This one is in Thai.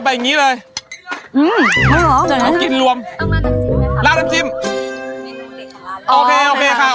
ไปเร็วอย่ายอมแพ้เค้า